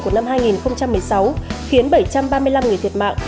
của năm hai nghìn một mươi sáu khiến bảy trăm ba mươi năm người thiệt mạng